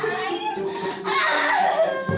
ke depan lu